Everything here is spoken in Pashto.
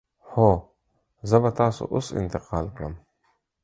هو، زه به تاسو اوس انتقال کړم.